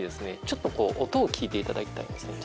ちょっとこう音を聞いていただきたいんですね。